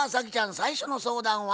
最初の相談は？